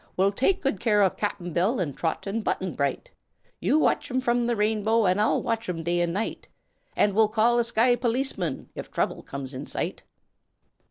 We'll take good care of Cap'n Bill and Trot and Button Bright You watch 'em from the Rainbow, and I'll watch day and night, And we'll call a sky policeman if trouble comes in sight!"